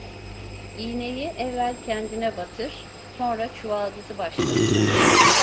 İğneyi evvel kendine batır, sonra çuvaldızı başkasına.